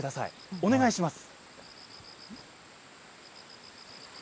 お願いします。